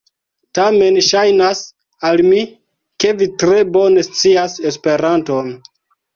Tamen ŝajnas al mi, ke vi tre bone scias Esperanton.